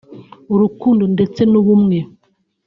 urukundo ndetse n’ubumwe